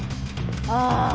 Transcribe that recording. ああ